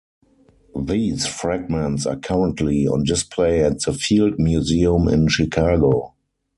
These fragments are currently on display at the Field Museum in Chicago.